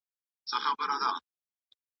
ایا ته د فتح خان او رابعې کیسه پیژنې؟